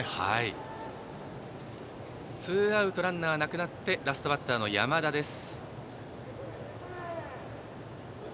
ツーアウトでランナーがなくなってラストバッターの山田です。